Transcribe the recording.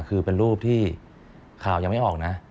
คือเป็นรูปที่ข่าวยังไม่ออกนะ